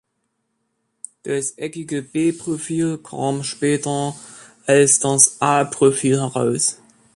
Das eckige B-Profil kam später als das A-Profil heraus.